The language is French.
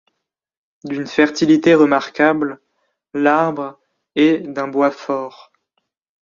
D'une fertilité remarquable, l'arbre est d'un bois fort.